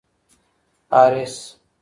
حارث